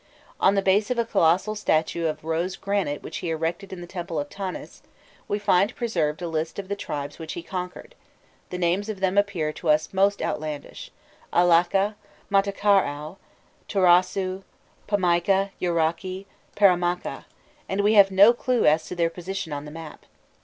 On the base of a colossal statue of rose granite which he erected in the temple of Tanis, we find preserved a list of the tribes which he conquered: the names of them appear to us most outlandish Alaka, Matakaraû, Tûrasû, Pamaîka, Uarakî, Paramakâ and we have no clue as to their position on the map.